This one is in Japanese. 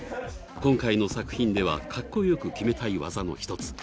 今回の作品ではかっこよく決めたい技の一つ。